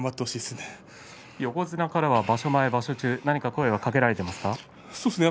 横綱からは場所前、場所中何か声はかけられましたか。